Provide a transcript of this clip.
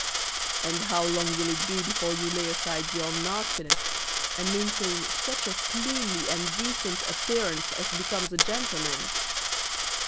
"And how long will it be before you lay aside your nastiness, and maintain such a cleanly and decent appearance as becomes a gentleman?"